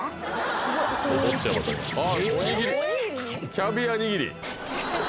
キャビアにぎり！